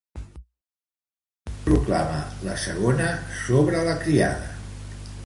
Què proclama la segona sobre la criada?